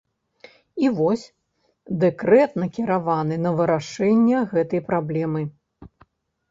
І вось, дэкрэт накіраваны на вырашэнне гэтай праблемы.